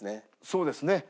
そうですね。